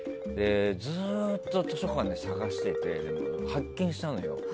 ずっと図書館で探していて発見したのよ。